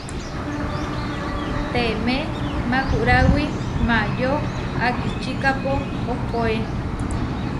Teemé makuráwi Maayó akičíkapo ohoé.